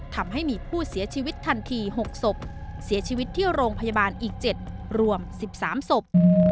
ทำให้มีผู้เสียชีวิตทันที๖ศพเสียชีวิตที่โรงพยาบาลอีก๗รวม๑๓ศพ